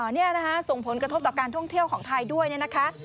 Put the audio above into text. นี่นะคะส่งผลกระทบต่อการท่องเที่ยวของไทยด้วยเนี่ยนะคะ